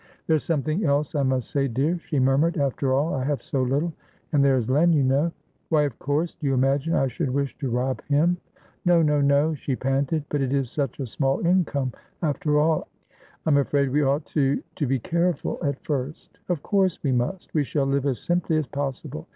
"There's something else I must say, dear," she murmured. "After all, I have so littleand there is Len, you know" "Why, of course. Do you imagine I should wish to rob him?" "No, no, no!" she panted. "But it is such a small income, after all. I'm afraid we ought toto be careful, at first" "Of course we must. We shall live as simply as possible.